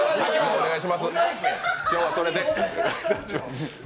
今日はそれで。